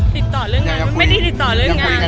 ติดต่อเรื่องงานไม่ได้ติดต่อเรื่องงาน